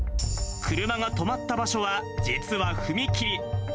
車が止まった場所は、実は踏切。